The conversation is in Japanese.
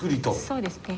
そうですね。